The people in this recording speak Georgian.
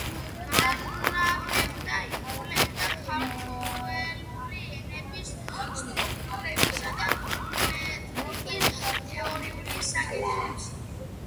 განაგებდა იკვლევდა ქართველური ენების სტრუქტურისა და ფონეტიკის თეორიულ საკითხებს.